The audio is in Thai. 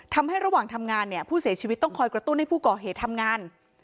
ทำให้ระหว่างทำงานเนี่ยผู้เสียชีวิตต้องคอยกระตุ้นให้ผู้ก่อเหตุทำงาน